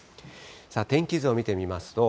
天気図を見てみますと。